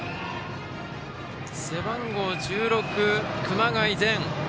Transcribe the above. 背番号１６、熊谷禅。